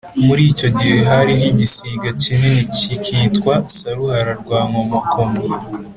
Muri icyo gihe hariho igisiga kinini kikitwa Saruhara rwa Nkomokomo